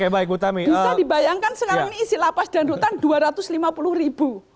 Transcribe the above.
bisa dibayangkan sekarang ini isi lapas dan rutan dua ratus lima puluh ribu